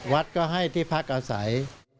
วัดก็ให้ที่พักอาศัย